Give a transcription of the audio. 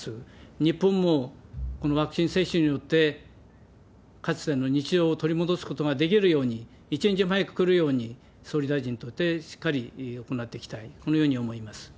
日本もこのワクチン接種によって、かつての日常を取り戻すことができるように、一日も早く来るように、総理大臣としてしっかり行っていきたい、このように思います。